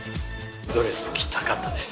ドレス着たかったです。